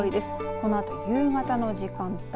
このあと夕方の時間帯